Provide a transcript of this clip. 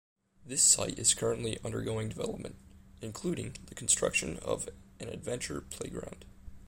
This site is currently undergoing development, including the construction of an adventure playground.